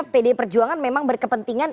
pdi perjuangan memang berkepentingan